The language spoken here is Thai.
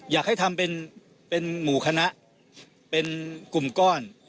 อยากให้ทำเป็นหมู่คณะเป็นกลุ่มก้อน